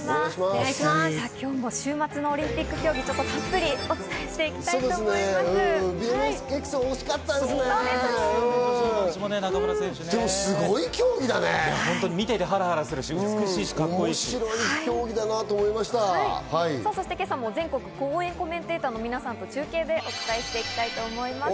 今日も週末のオリンピック競技、ちょっとたっぷりお伝えしていきたいと思います。